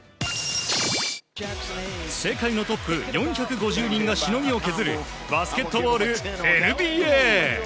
世界のトップ４５０人がしのぎを削るバスケットボールＮＢＡ。